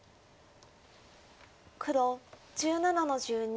黒１７の十二。